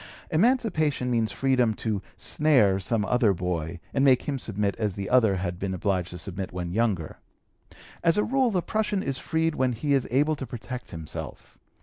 Emancipation means freedom to "snare" some other boy, and make him submit as the other had been obliged to submit when younger. As a rule, the prushun is freed when he is able to protect himself.